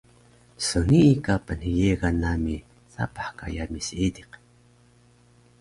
So nii ka pnhyegun nami sapah ka yami Seediq